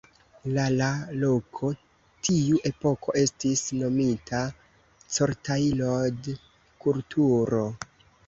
La la loko, tiu epoko estis nomita Cortaillod-kulturo.